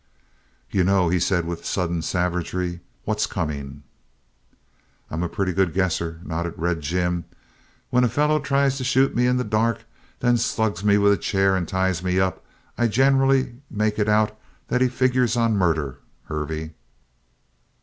"You know," he said with sudden savagery, "what's coming?" "I'm a pretty good guesser," nodded Red Jim. "When a fellow tries to shoot me in the dark, and then slugs me with a chair and ties me up, I generally make it out that he figures on murder, Hervey."